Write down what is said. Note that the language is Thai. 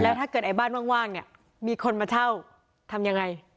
ถ้าเกิดไอ้บ้านว่างเนี่ยมีคนมาเช่าทำยังไง